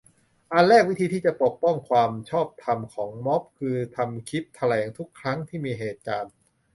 อันแรก วิธีที่จะ ปกป้องความชอบธรรมของม็อบ คือ ทำคลิปแถลงทุกครั้งที่มีเหตุการ